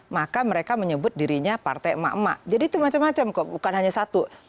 maka mereka menyebut dirinya partai emak emak jadi itu macam macam kok bukan hanya satu